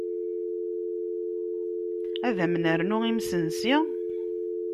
Ad m-nernu imesnsi?